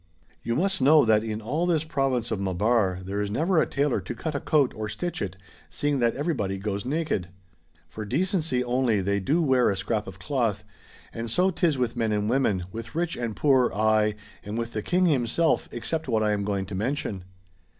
You must know that in ail this Province ot INlaabar there is never a Tailor to cut a coat or stitch it, seeing that everybody goes naked ! I'or decency only tliey do wear a Chap. XVII. THE PROVINCE OF MAABAR. 275 scrap of cloth ; and so 'tis with men and women, with rich and poor, aye, and with the King himself, except what I am going to mention.